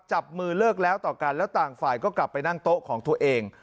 จับมือเลิกแล้วต่อกันแล้วต่างฝ่ายก็กลับไปนั่งโต๊ะของตัวเอง